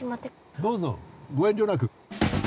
どうぞ、ご遠慮なく。